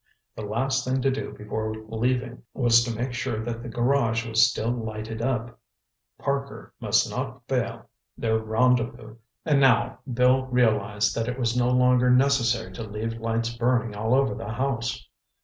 The last thing to do before leaving, was to make sure that the garage was still lighted up. Parker must not fail their rendezvous. And now Bill realized that it was no longer necessary to leave lights burning all over the house.